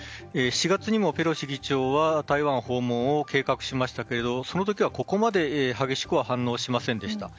４月にもペロシ議長は台湾訪問を計画しましたがその時はここまで激しく反応しませんでした。